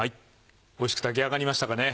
おいしく炊き上がりましたかね？